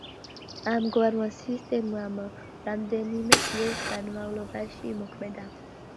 ამგვარმა სისტემამ რამდენიმე წლის განმავლობაში იმოქმედა.